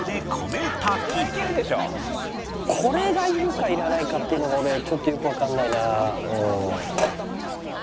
これがいるかいらないかっていうのが俺ちょっとよくわからないな。